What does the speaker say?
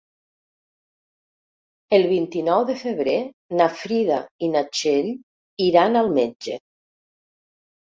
El vint-i-nou de febrer na Frida i na Txell iran al metge.